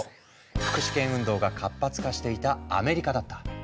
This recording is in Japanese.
福祉権運動が活発化していたアメリカだった。